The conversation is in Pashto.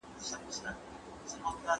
په پلي تګ کي د چا مینه نه کمېږي.